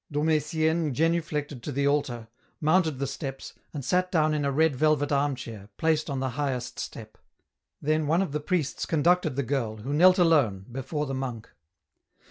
Dom Etienne genuflected to the altar, mounted the steps, and sat down in a red velvet arm chair, placed on the highest step. Then one of the priests conducted the girl, who knelt alone, before the monk.